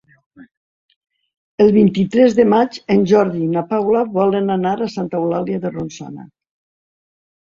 El vint-i-tres de maig en Jordi i na Paula volen anar a Santa Eulàlia de Ronçana.